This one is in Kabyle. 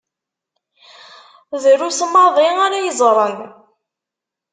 Drus maḍi ara yeẓṛen.